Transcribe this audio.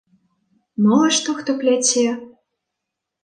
Мала што хто пляце.